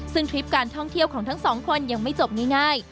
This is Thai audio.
ซึ่งทริปการท่องเที่ยวของทั้งสองคนยังไม่จบง่าย